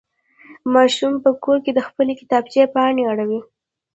ماشوم په کور کې د خپلې کتابچې پاڼې اړولې.